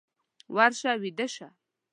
ورشه ويده شه!